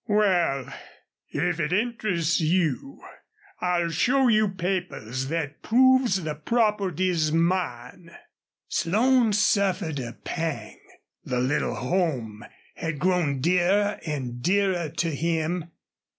"Wal, if it interests you I'll show you papers thet proves the property's mine." Slone suffered a pang. The little home had grown dearer and dearer to him.